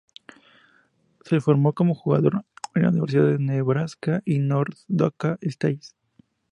Se formó como jugador en las universidades de Nebraska y North Dakota State.